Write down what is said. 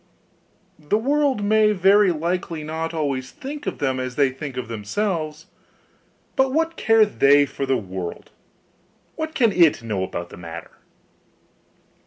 The world may very likely not always think of them as they think of themselves, but what care they for the world? what can it know about the matter?